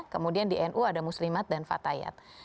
kemudian di nu ada muslimat dan fatayat